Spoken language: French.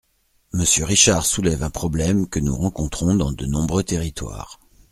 Monsieur Richard soulève un problème que nous rencontrons dans de nombreux territoires.